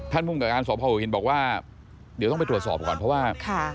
ภูมิกับการสพหัวหินบอกว่าเดี๋ยวต้องไปตรวจสอบก่อนเพราะว่า